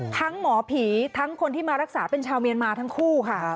หมอผีทั้งคนที่มารักษาเป็นชาวเมียนมาทั้งคู่ค่ะ